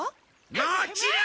もちろん！